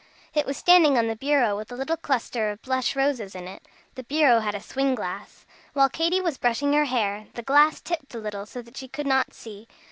It was standing on the bureau with a little cluster of blush roses in it. The bureau had a swing glass. While Katy was brushing her hair, the glass tipped a little so that she could not see.